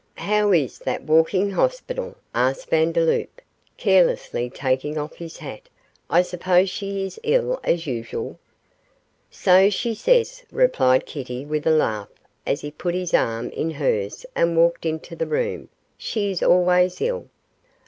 'How is that walking hospital?' asked Vandeloup, carelessly taking off his hat; 'I suppose she is ill as usual.' 'So she says,' replied Kitty, with a laugh, as he put his arm in hers and walked into the room; 'she is always ill.